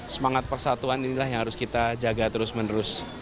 semangat persatuan inilah yang harus kita jaga terus menerus